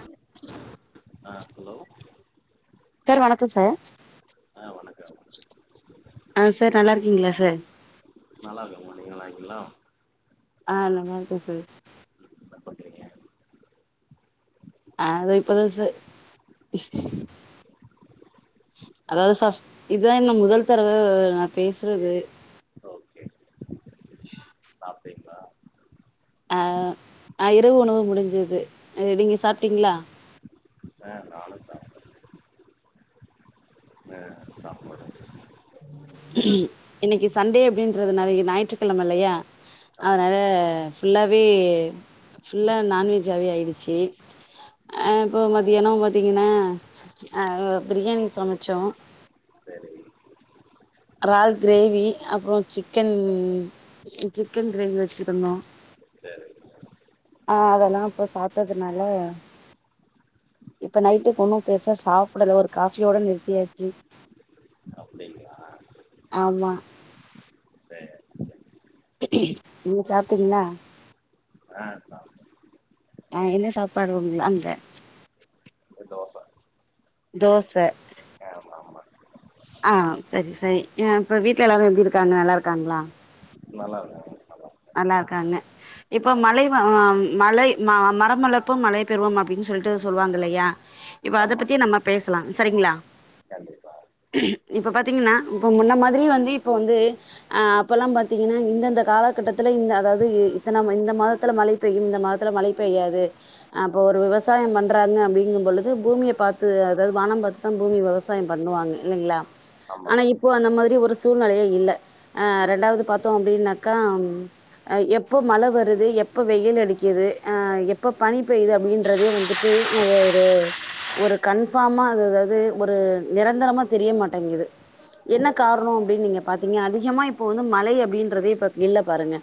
அது ஆஹ் hello sir வணக்கோ சார் ஆ வணக்கம் ஆஹ் சார் நல்லா இருக்கீங்ளா சார் நல்லா இருக்கேமா நீங்க நல்லா இருக்கிங்ளா ஆ நல்லா இருக்கே சார் என்ன பண்ணுறீங்க அவுங்ளுக்கு புதுசு ஆ அதாவ்து ஃபஸ் இதுதாங்க முதல் தடவ நா பேசுறது ஓகே சாப்டிங்ளா அஹ் இரவு உணவு முடிஞ்சுது நீங்க சாப்ட்டீங்ளா ஆஹ் நானு சாப்ட் ஆஹ் சாப்புரே இன்னைக்கு சண்டே அப்டின்றதுனால ஞாயிற்றுக்கிழம இல்லயா அதனால சாம்பார் ஃபுல்லாவே ஃபுல்லா நான்வெஜ்ஜாவே ஆயிடுச்சு அ இப்போ மத்தியானோ பாத்தீங்னா ஆ ப்ரியாணி சமச்சோ செரி ரால் கிரேவி அப்றோ சிக்கன் சிக்கன் கிரேவி வெச்சு தந்தோ சரி ஆ அதலா இப்போ சாப்டதனால இப்ப நைட்டுக்கு ஒன்னு பெர்சா சாப்டல ஒரு காஃபியோட நிறுத்தியாச்சு அப்படிங்களா ஆமா சரி சரி. நீங்க சாப்ட்டீங்ளா ஆ சாப்டே ஆ என்ன சாப்பாடு உங் அங்க இங்க தோச தோச ஆமா ஆமா ஆ செரி செரி இப்ப வீட்ல எல்லாரு எப்டி இருக்காங்க நல்லாருக்காங்ளா நல்லாருக்காங்க நல்லாருக்காங்க இப்ப மழை அ மழை ம மரம் வளர்ப்போம் மழை பெறுவோம் அப்டின் சொல்ட்டு சொல்வாங்க இல்லையா இப்ப அத ஆமாம் பத்தியே நம்ம பேஸ்லா சரிங்ளா கண்டிப்பாக இப்ப பாத்தீங்கன்னா இப்போ முன்ன மாதிரி வந்து இப்போ வந்து அ அப்பலா பாத்தீங்கினா இந்தந்த காலகட்ட த்துல இந்த அதாவுது இத்தன இந்த மாதத்துல மழை பெய்யும் இந்த மாதத்துல மழை பெய்யாது அப்போ ஒரு விவசாயம் பண்றாங்க அப்டிங்கும் பொழுது பூமிய பாத்து அதாவுது வானம் பாத் தா பூமி விவசாயம் பண்ணுவாங்க இல்லீங்ளா ஆனா ஆமாம் இப்போ அந்த மாதிரி ஒரு சூழ்நிலையே இல்ல ஆ ரெண்டாவுது பாத்தோ அப்டின்னாக்கா ஆ எப்பொ மழை வருது எப்பொ வெயில் அடிக்குது அ எப்பொ பனி பெயுது அப்டின்றதே வந்து [unintelligible] ஒரு கன்ஃபாமா அது அதாவுது ஒரு நிரந்தரமா தெரிய மாட்டேங்குது என்ன சரி கார்ணோ அப்டின் நீங்க பாத்தீங்க அதிகமா இப்போ வந்து மழை அப்டின்றதே இப்போ இல்ல பாருங்க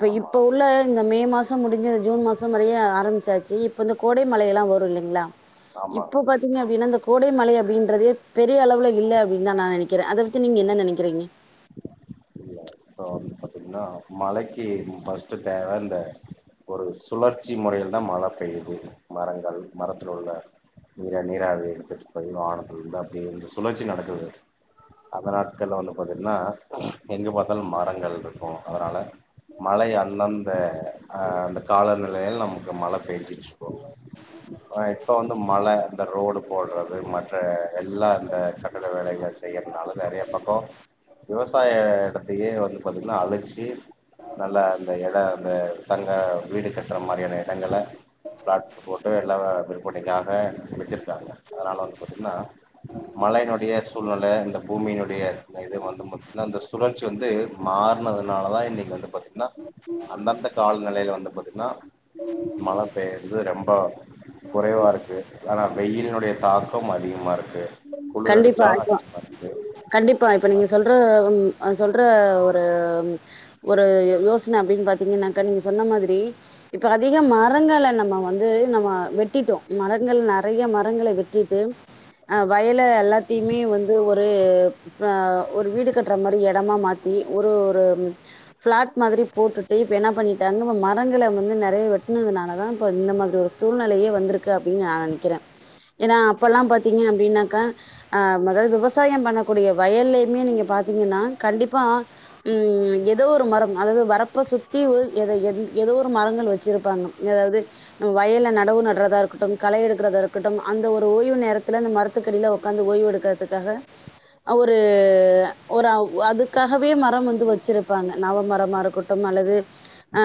க ஆமாம் இப்ப உள்ள இந்த மே மாசோ முடிஞ்சி இந்த ஜூன் மாசோ வரையோ ஆரம்பிச்சாச்சு இப்போ இந்த கோடை மழையெலா வரு இல்லிங்ளா இப்போ ஆமாங்க பாத்தீங்க அப்டினா இந்த கோடை மழை அப்டின்றதே பெரிய அளவ்ல இல்ல அப்டின் தா நா நெனைக்கிறே அத பத்தி நீங்க என்ன நெனைக்கிறீங்க இப்ப வந்து பாத்தீங்குன்னா மழைக்கி ஃபஸ்ட்டு தேவ இந்த ஒரு சுழற்சி முறையில் தா மழ பெய்யுது மரங்கள் மரத்துல உள்ள இதுல நீராவிய எடுத்துட்டு போய் வானத்துல இந்து அப்டே இந்த சுழற்சி நடக்குது அந்த நாட்க்கள்லா வந்து பாத்துட்னா எங்க பா த்தால் மரங்கள்ருக்கோ அதனால மழை அந்தந்த ஆ அந்த காலநிலையில் நமக்கு மழ பேஞ்சுட்ருக்கோ ஆ இப்போ வந்து மழ இந்த ரோடு போட்றது மற்ற எல்லா இந்த கட்டட வேலைகள் செய்றத்னால நெறைய பக்கோ விவசாய எடத்தையே வந்து பாத்தீங்கனா அழிச்சி நல்ல அந்த எட அந்த தங்க வீடு கட்ற மாரியான எடங்கள பிளாட்ஸ் போட்டு எல்லா விற்பனைக்காக வெச்சிருக்காங்க அதனால வந்து பாத்திங்கன்னா மழையினுடைய சூழ்நில இந்த பூமியினுடைய இந்த இது வந்து பாத்தீங்னா இந்த சுழற்சி வந்து மாற்னதுனாலதா இன்னிக்கி வந்து பாத்தீங்னா அந்தந்தக் கால்நிலையில வந்து பாத்தீங்கனா மழை பெய்யற்து ரெம்பெ குறைவா இருக்கு ஆனா வெயில்னுடைய தாக்கம் அதிகமா இருக்கு கண்டிப்பா ஆய்போச்சு கண்டிப்பா இப்ப நீங்க சொல்ற ம் சொல்ற ஒரு ஒரு யோசன அப்டின் பாத்தீங்ன்னாக்கா நீங்க சொன்ன மாதிரி இப்ப அதிக மரங்கள நம்ம வந்து நம்ம வெட்டிட்டோ மரங்கள் நெறைய மரங்கள வெட்டிட்டு அ வய வயல எல்லாத்தையுமே வந்து ஒரு ஆ ஒரு வீடு கட்டுற மாரி எடமா மாத்தி ஒரு ஒரு ஃபிளாட் மாதிரி போட்டுட்டு இப்ப என்ன பண்ணிட்டாங்க மரங்கள வந்து நெறைய வெட்னதுனால தா இப்ப இந்த மாதிரி ஒரு சூழ்நெலயே வந்திருக்கு அப்டின்னு நா நெனக்கிறே ஏன்னா அப்பல்லா பாத்தீங்க அப்டின்னா க ஆ மொத விவசாயம் பண்ணக்கூடிய வயல்லயுமே நீங்க பாத்தீங்கன்னா கண்டிப்பா ம் ஏதோ ஒரு மரம் அதாவது வரப்ப சுத்தி ஒரு எத எ ஏதோ ஒரு மரங்கள் வச்சிருப்பாங்க அதாவது நம் வயல்ல நடவு நட்றதா இருக்கட்டு கள எடுக்கிறதா இருக்கட்டு அந்த ஒரு ஓய்வு நேரத்துத்துல அந்த மரத் துக்கடில உக்காந்து ஓய்வு எடுக்றதுக்காக ஒரு ஒரு அதுக்காகவே மரம் வந்து வச்சிருப்பாங்க நவமரமா இருக்கு டும் அல்லது ஆ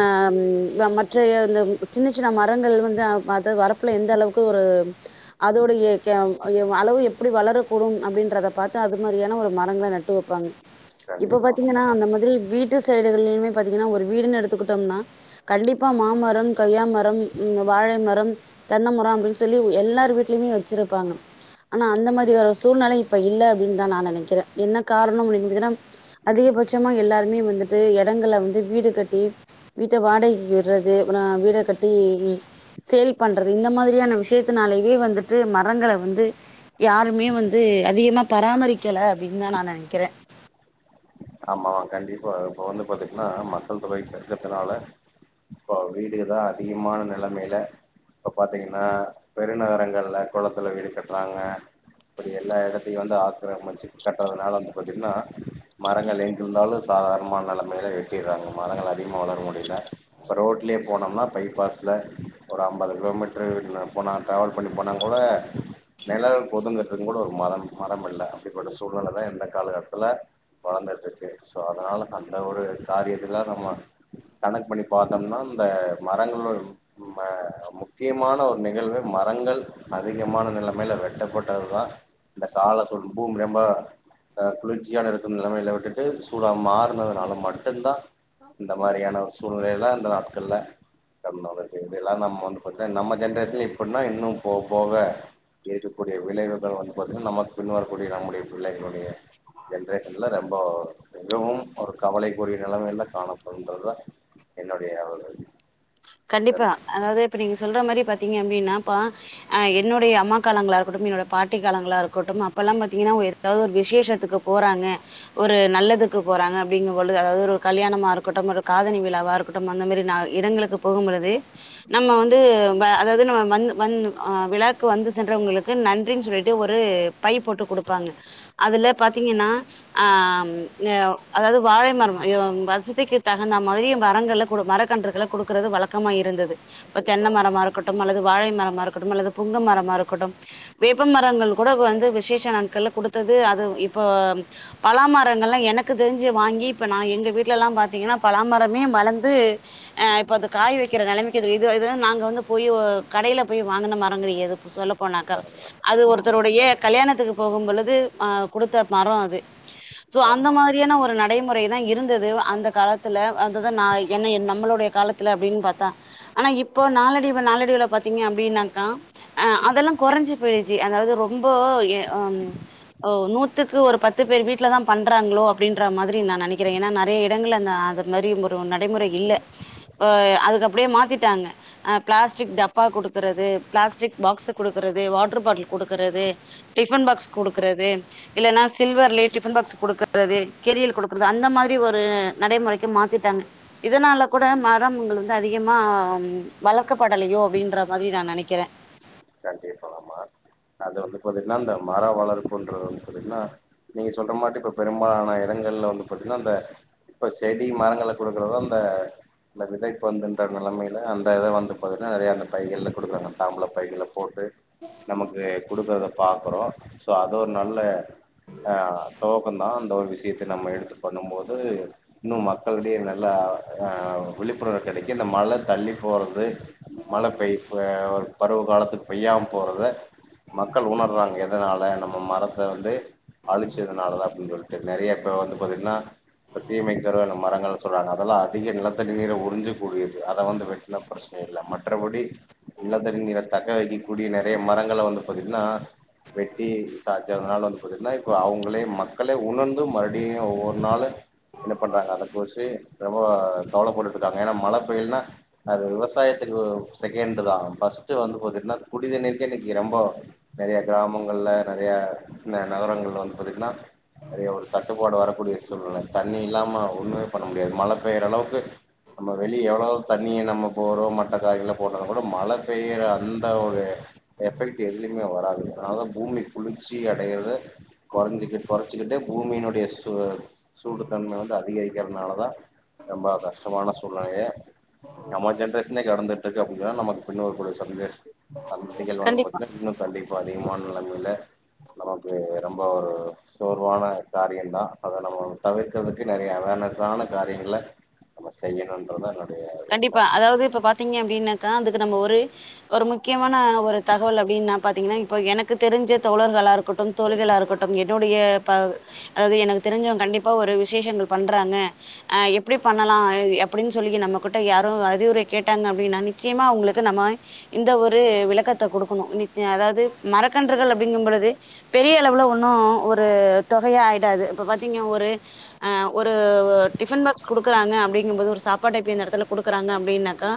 மற்ற அந்த சின்ன சின்ன மரங்கள் வந்து அத வர ப்ல எந்த அளவுக்கு ஒரு அதோடைய க்ய அளவு எப்டி வளரக்கூடும் அப்டின்றத பாத்து அது மாரியான ஒரு மரங்கள நட்டு வப்பாங்க இப்ப பாத்தீங்கன்னா கண்டிப்பாக அந்த மாதிரி வீட்டு சைடுகள்ளமே பாத்தீங்கன்னா ஒரு வீடுனு எடுத்துக்கிட்டோம்னா கண்டிப்பா மாமரம் கொய்யா மரம் வாழை மரம் தென்ன மரம் அப்டின்னு சொல்லி எல்லார் வீட்லயுமே வச்சிருப்பாங்க ஆனா அந்த மாரி ஒரு சூழ்நிலை இப்ப இல்ல அப்டின்னு தா நெனக்கிறே என்ன காரணம் அப்டின்பாத்தீங்கனா அதிகபச்சமா எல்லாருமே வந்துட்டு எடங்கல வந்து வீடு கட்டி வீட்ட வாடகைக்கு விட்றது அப்புற வீட கட்டி சேல் பண்றது இந்த மாதிரியான விஷயத்தினாலவே வந்துட்டு மரங்கள வந்து யாருமே வந்து அதிகமா பராமரிக்கல அப்டின்னு தா நா நெனக்கிறே ஆமா கண்டிப்பா இப்ப வந்து பாத்தீங்கன்னா மக்கள் தொகை பெருக்கத்துனால இப்போ வீடுகதா அதிகமான நெலமைல இப்ப பாத்தீங்கன்னா பெருநகரங்கள்ல கொளத்துல வீடு கட்றாங்க அப்டி எல்லா எடத்தையு வந்து ஆக்கிரமிச்சு கட்டுறதுனால வந்து பாத்தீங்கன்னா மரங்கள் எங்கிருந்தாலு சாதாரணமான நெலமைல வெட்டிர்றாங்க மரங்கள அதிகமா வளர முடியல இப்போ ரோட்லே போனோம்னா பைபாஸ்ல ஒரு அம்பது கிலோமீட்டரு [unintelligible] போனா ட்ராவல் பண்ணி போனா கூட நிழல்ல ஒதுங்கறதுக்கு கூட ஒரு மரம் மரம் இல்ல அப்டிப்பட்ட சூழ்நிலை தா இந்த காலகட்டத்தில வளந்துட்ருக்கு சோ அதனால அந்த ஒரு காரியத்தில நம்ம கணக் பண்ணி பாத்தோம்னா இந்த மரங்களு ம் ம முக்கியமான ஒரு நிகழ்வு மரங்கள் அதிகமான நிலமையில வெட்டப்பட்டதுதா இந்த கால ச பூமி ரம்ப இந்த குளிர்ச்சியாக இரு நிலமையில விட்டுட்டு சூடா மாறுனதுனால மட்டுந்தா இந்த மாரியான ஒரு சூழ்நிலைல அந்த நாட்கள்ல [unintelligible] எல்லா நம்ம வந்து பாத்தீங்னா நம்ம ஜென்ரேஷன்ல இப்படினா இன்னு போவ போவ இருக்கக்கூடிய விளைவுகள் வந்து பாத்தீங்ன்னா நமக்கு பின்வரக்கூடிய நம்முடைய பிள்ளைகளுடைய ஜென்ரேஷ் இல்ல ரெம்ப மிகவும் ஒரு கவலைக்குரிய நிலைமையில தா காணப்படுன்றதா என்னோடய ஒரு கண்டிப்பா கருத்து அதாவது இப்ப நீங்க சொல்ற மாரி பாத்தீங்க அப்டின்னா பா ஆ என்னுடைய அம்மா காலங்களா இருக்கட்டு என்னோட பாட்டி காலங்களா இருக்கட்டு அப்பெல்லா பாத்தீங்ன்னா [unintelligible] எதாவது ஒரு விசேஷத்துக்கு போறாங்க ஒரு நல்லதுக்கு போறாங்க அப்டிங்கும் பொழுது அதாவது ஒரு கல்யாணமா இருக்கட்டு ஒரு காதனி விழாவா இருக்க கட்டு அந்த மாரி நா இடங்களுக்கு போகும் பொழுது நம்ம வந்து [unintelligible] அதாது நம்ம வந்து வந்து அ விழாக்கு வந்து சென்றவங்களுக்கு நன்றின்னு சொல்லிட்டு ஒரு பை போட்டு குடுப்பாங்க அதுல பாத்தீங்கன்னா ஆ அதாவது வாழை மரம் அய்யோ வசதிக்கு தகுந்த மாதிரி மரங்கள கூட மர கன்றுகள குடுக்குரது வழக்கமா இருந்தது இப்ப கண்டிப்பா தென்ன மரமா இருக்கட்டு அல்லது வாழை மரமா இருக்கட்டு அல்லது புங்க மரமா இருக்கட்டும் வேப்ப மரங்கள் கூட வந்து விசேஷ நாட்கல்ல குடுத்தது அது இப்போ பலாமரங்கள்லா எனக்கு தெரிஞ்சு வாங்கி இப்போ நா எங்க வீட்லலா பாத்தீங்கன்னா பலாமரமே வளந்து அ [unintelligible] இப்ப அது காய வைக்கிற நிலைமைக்கு இது இதுலா நாங்க வந்து போய் கடைல போய் வாங்கின மரங்கடியாது சொல்ல போனாக்க அது ம் ஒருத்தருடைய கல்யாணத்துக்கு போகும் பொழுது அ கொடுத்த அது மரோ அது சோ அந்த ஆமா மாரியான ஒரு நட நடைமுறைதா இருந்தது அந்த காலத்துல அந்ததா நா என்ன நம்மளுடைய காலத்துல அப்டின்னு பாத்தா ஆனா இப்போ நாளடிவ நாளடிவுல பாத்தீங்க அப்டின்னாக்கா அ அதெல்லா கொறஞ்சி போய்டுச்சி அதாவது ரொம்ப ம் ஓ நூத்துக்கு ஒரு பத்து பேர் வீட்டுல தா பண்றாங்களோ அப்டின்ற மாதிரி நா நெனக்கிறே ஏன்னா நெறைய இடங்கள்ள அந்த அ அது மாரி ஒரு நடைமுறை இல்ல இப்ப அதுக்கு அப்டியே மாத்திட்டாங்க அ பிளஸ்டிக் டப்பா குடுக்குறது பிளஸ்டிக் பாக்ஸ் குடுக்குறது வாட்ரு பாட்ல் குடுக்குறது டிஃபன் பாக்ஸ் குடுக்குறது இல்லன்னா சில்வர்லயே டிபன் பாக்ஸ் குடுக்குறது கெரியல் குடுக்குறது அந்த மாரி ஒரு நடைமுறைக்கு மாத்திட்டாங்க இதனால கூட மா கிராமங்கள் வந்து அதிகமா வளர்க்கப்படலையோ அப்டின்ற மாரி நா நெனக்கிறே கண்டிப்பா ஆமா அது வந்து பாத்தீங்கன்னா இந்த மரோ வளர்ப்புன்றதுன்னு சொத்தீங்கன்னா நீங்க சொல்ற மாட்டி இப்ப பெரும்பாலான எடங்கள்ல வந்து பாத்தீங்கன்னா அந்த இப்ப செடி மரங்கள குடுக்குறது அந்த இந்த விதைப் பந்துன்ற நெலமைல அந்த இத வந்த பாதின்னா நெறைய அந்த பைகள்ல குடுக்குறாங்க தாம்பூல பை போட்டு நமக்கு குடுக்குறத பாக்குறோ சோ அது ஒரு நல்ல ஆ தோகோ தா அந்த ஒரு விஷயத்த நம்ம எடுத்து பண்ணு போது இன்னு மக்களுடையே நல்லா அ விழிப்புணர்வு கெடைக்கு இந்த மழ தள்ளி போறது மழ பெய் அ பருவ காலத்துக்குப் பெய்யாம போறத மக்கள் உணர்றாங்க எத னால நம்ம மரத்த வந்து அழிச்சதுனாலதா அப்டின்னு சொல்லிட்டு நெறைய இப்ப வந்து பாத்தீங்கன்னா சீமைக்கரு வேல மரங்கள் சொல்றாங்க அதெல்லா அதிக நிலத்தடி நீர உறிஞ்சு கூடியது அத வந்து வெட்னா பிரச்சன இல்ல மத்தபடி நிலத்தடி நீர தக்க வைக்க கூடிய நெறைய மரங்கள வந்து பாத்தீங்கன்னா வெட்டி சா னால வந்து பாத்தீங்கன்னா இப்ப அவுங்களே மக்களே உணர்ந்து மறுபடியு ஒவ்வொரு நாாளு என்ன பண்ணுறாங்க அத குறிச்சு ரொம்ப கவல போட்டு இருக்காங்க ஏன்னா மழ பெய்ல்னா அது விவசாயத்துக்கு செகண்ட் தா ஃபர்ஸ்ட் வந்து பாத்தினா குடித்தண்ணிருக்கே இன்னைக்கு ரொம்ப நெறைய கிராமங்கள்ல நெறைய இந்த நகரங்கள்ல வந்து பாத்தீங்கன்னா நெறைய ஒரு தட்டுப்பாடு வரக்கூடிய ஒரு சூழ்நில தண்ணி இல்லாம ஒண்ணுமே பண்ண முடியாது மழ பெய்ற அளவுக்கு நம்ம வெளியே எவ்ளோ தண்ணிய நம்ம போறோ மட்ட காயல்ல போட்டோலு கூட மழ பெய்ற அந்த ஒரு எஃபெக்ட் எதுலயுமே வராது அதனாலதா பூமி குளிர்ச்சி அடையறத கொறஞ்சிக்கி கொறச்சிக்கிட்டு பூமியினுடைய சு சூடு தன்ம வந்து அதிகரிக்கிறதுனாலதா ரொம்ப கஷ்டமான சூழ்நிலைய நம்ம ஜென்ரேஷனே கடந்துட்டு இருக்கு அப்டி சொன்னா நமக்கு பின்ன வர கூடிய ஒரு சந்தேச சந்ததிகள் வந்து கண்டிப்பா இன்னு கண்டிப்பா அதிகமான நெலைமையில ரொம்ப ஒரு சோர்வான காரியதா அத நம்ம தவிர்க்கிறதுக்கு நெறைய அவேர்னஸானா காரியங்கள்ல நம்ம செய்யனுன்றதா நல் கண்டிப்பா அதாவது இப்ப பாத்தீங்க அப்டின்னாக்கா அதுக்கு நம்ம ஒரு ஒரு முக்கியமான ஒரு தகவல் அப்டினுனா பாத்தீங்கன்னா இப்ப எனக்கு தெரிஞ்ச தோழர்களாருக் கட்டும் தோழிகளா இருக்கட்டும் என்னுடைய ப அதாவது எனக்கு தெரிஞ்சவங்க கண்டிப்பா ஒரு விசேஷங்கள் பண்றாங்க அ எப்டி பண்ணலா அப்டினு சொல்லி நம்ம குட்ட யாரு அறிவுரை கேட்டாங்க அப்டின்னா நிச்சயமா அவுங்களுக்கு நம்ம இந்த ஒரு விளக்கத்த குடுக்கணு அதாவது மரக்கன்றுகள் அப்டிங்கும் பொழுது பெரிய அளவுல ஒன்னு ஒரு தொகையா ஆயிடாது இப்ப பாத்தீங்க ஒரு ஆ ஒரு டிஃபன் பாக்ஸ் குடுக்கறாங்க அப்டிங்கும் போது ஒரு சாப்பாட்ட எப்பி நடத் த்துல குடுக்குறாங்க அப்டினாக்கா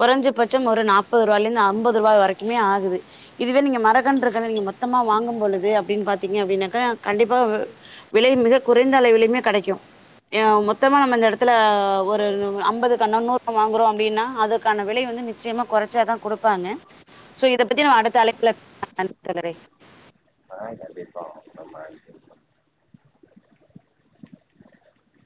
கொறஞ்ச பட்சம் ஒரு நாப்பது ரூபாயல இருந்து ஐம்பது ரூபாய் வரைக்குமே ஆகுது இதுவே நீங்க மரகன்றுகள் நீங்க மொத்தமா வாங்கும் பொழுது அப்டினு பாத்தீங்க அப்டினாக்கா கண்டிப்பா விலை மிக குறைந்த அளவிலையுமே கெடைக்கு எ மொத்தமா நம்ம இந்த இடத்துல ஒரு அம்பது கன்னநூற் நம்ம வாங்குறோ அப்டினா அதுக்கான விலை வந்து நிச்சயமா கொறச்சேதா குடுப்பாங்க சோ இத பத்தி நா அடுத்த அழைப்புல [inaudible] ஆ கண்டிப்பா நம்ம